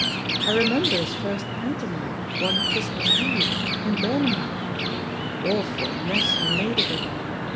I remember his first pantomime, one Christmas Eve, in Bir mingham — ^awful mess he made of it!